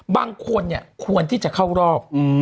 บางคนเนี่ยควรที่จะเข้ารอบ